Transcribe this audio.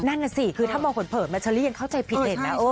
นั่นสิคือถ้ามองผลเผลอแมทชาลียังเข้าใจผิดเห็นนะ